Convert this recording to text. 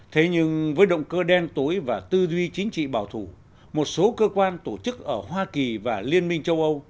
thế nhưng với động cơ đen tối và tư duy chính trị bảo thủ một số cơ quan tổ chức ở hoa kỳ và liên minh châu âu